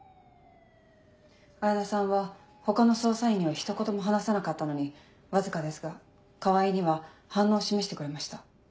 彩菜さんは他の捜査員にはひと言も話さなかったのにわずかですが川合には反応を示してくれました。